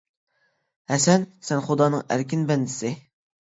— ھەسەن، سەن خۇدانىڭ ئەركىن بەندىسى.